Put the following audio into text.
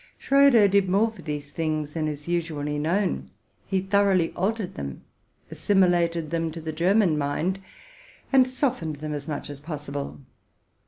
Schroder did more for these things than is usually known: he thoroughly al tered them, assimilated them to 'the German mind, and Ssoft ened them as much as possible.